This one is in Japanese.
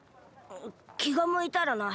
きがむいたらな。